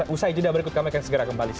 usai jeda berikut kami akan segera kembali